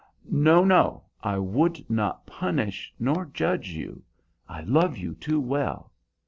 "No, no; I would not punish nor judge you. I love you too well.